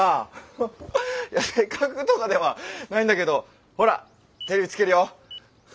ハハッいやせっかくとかではないんだけどほらテレビつけるよ。